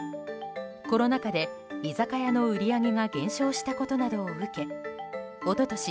コロナ禍で居酒屋の売り上げが減少したことなどを受け一昨年